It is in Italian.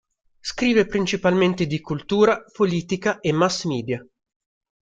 Scrive principalmente di cultura, politica e mass media.